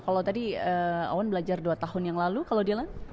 kalau tadi owen belajar dua tahun yang lalu kalau dilan